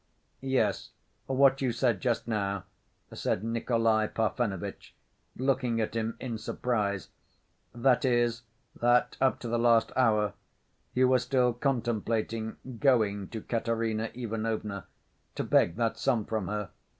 "Yes, what you said just now," said Nikolay Parfenovitch, looking at him in surprise, "that is, that up to the last hour you were still contemplating going to Katerina Ivanovna to beg that sum from her....